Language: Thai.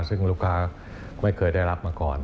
ซึ่งลูกค้าไม่เคยได้รับมาก่อน